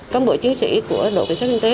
công bộ chiến sĩ của đội cảnh sát kinh tế